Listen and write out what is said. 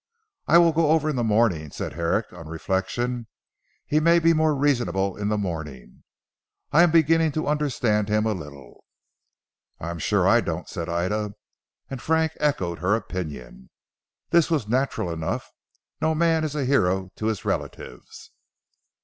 "I will go over in the morning," said Herrick on reflection, "he may be more reasonable in the morning. I am beginning to understand him a little." "I'm sure I don't," said Ida, and Frank echoed her opinion. This was natural enough. No man is a hero to his relatives.